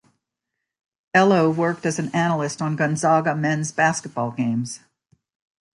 Ehlo worked as an analyst on Gonzaga men's basketball games.